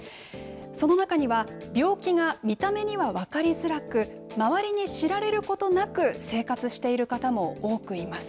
その中には、病気が見た目には分かりづらく、周りに知られることなく、生活している方も多くいます。